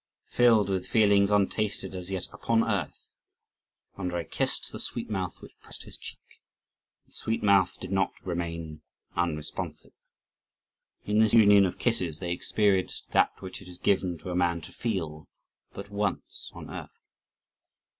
Filled with feelings untasted as yet upon earth, Andrii kissed the sweet mouth which pressed his cheek, and the sweet mouth did not remain unresponsive. In this union of kisses they experienced that which it is given to a man to feel but once on earth.